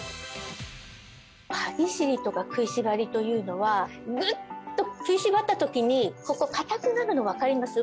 歯ぎしりとか食いしばりというのはグッと食いしばった時にここ硬くなるの分かります？